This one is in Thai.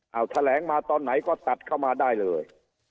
เอาแถลงมาตอนไหนก็ตัดเข้ามาได้เลย